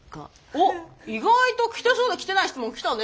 おっ意外と来てそうで来てない質問来たね。